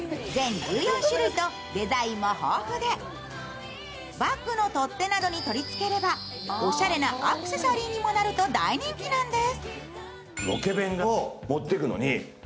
デザインも豊富で、バッグの取っ手に取りつければおしゃれなアクセサリーにもなると大人気なんです。